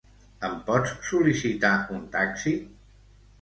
Em pots sol·licitar un taxi?